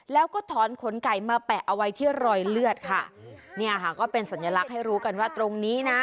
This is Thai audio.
แล้วก็ถอนขนไก่มาแปะเอาไว้ที่รอยเลือดค่ะเนี่ยค่ะก็เป็นสัญลักษณ์ให้รู้กันว่าตรงนี้นะ